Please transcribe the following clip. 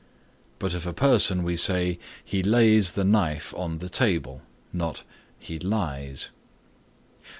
But of a person we say "He lays the knife on the table," not "He lies